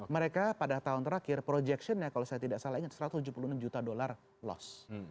mereka pada tahun terakhir projectionnya kalau saya tidak salah ingat satu ratus tujuh puluh enam juta dolar loss